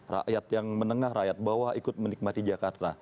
rakyat yang menengah rakyat bawah ikut menikmati jakarta